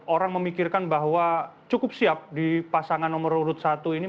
orang memikirkan bahwa cukup siap di pasangan nomor urut satu ini